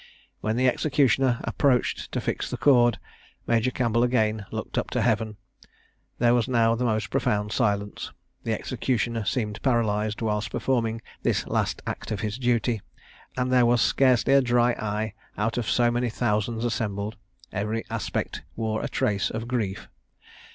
When the executioner approached to fix the cord, Major Campbell again looked up to Heaven. There was now the most profound silence. The executioner seemed paralysed whilst performing this last act of his duty, and there was scarcely a dry eye out of so many thousands assembled: every aspect wore the trace of grief.